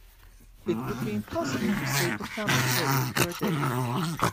It would be impossible to save the family credit for a day.